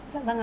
dạ vâng ạ